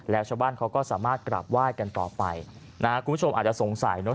แล้วชาวบ้านเขาก็สามารถกราบไหว้กันต่อไปนะฮะคุณผู้ชมอาจจะสงสัยเนอ